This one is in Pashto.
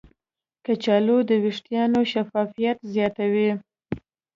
کچالو د ویښتانو شفافیت زیاتوي.